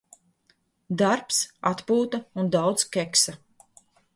Darbs, atpūta un daudz keksa.